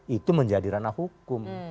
itu menjadi ranah hukum